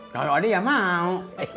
kalau ada ya mau